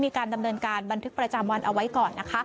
มีการดำเนินการบันทึกประจำวันเอาไว้ก่อนนะคะ